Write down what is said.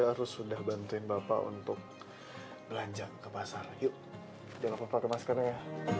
harus sudah bantuin bapak untuk belanja ke pasar yuk jangan pakai maskernya ya